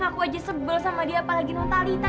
aku aja sebel sama dia apalagi noh talitha